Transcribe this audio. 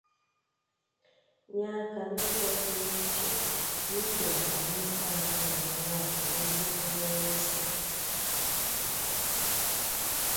nye aka n'ụzọ pụrụ iche n'ibelata mmekpa ahụ na arụrụala megide ndị ọlụsị